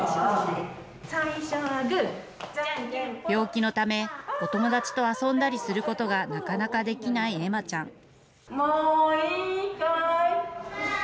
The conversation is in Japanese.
病気のため、お友達と遊んだりすることがなかなかできない恵麻ちゃん。